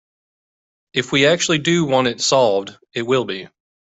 If we actually do want it solved, it will be.